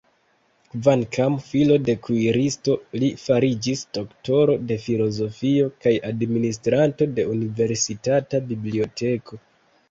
Kvankam filo de kuiristo, li fariĝis doktoro de filozofio kaj administranto de universitata biblioteko.